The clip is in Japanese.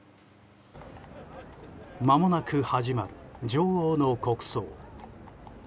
まもなく始まる女王の国葬。